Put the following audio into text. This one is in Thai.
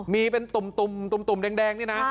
มีเป็นตุ่มแดงนี่นะ